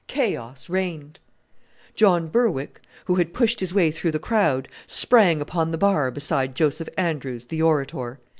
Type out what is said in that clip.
Chaos reigned. John Berwick, who had pushed his way through the crowd, sprang upon the bar beside Joseph Andrews the orator.